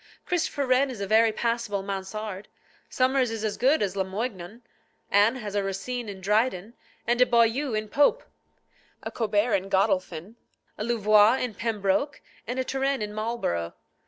Christopher Wren is a very passable Mansard; Somers is as good as Lamoignon; Anne has a Racine in Dryden, a Boileau in Pope, a Colbert in Godolphin, a Louvois in Pembroke, and a Turenne in Marlborough.